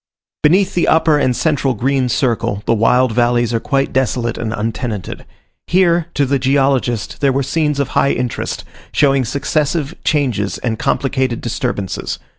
Beneath the upper and central green circle, the wild valleys are quite desolate and untenanted. Here, to the geologist, there were scenes of high interest, showing successive changes and complicated disturbances.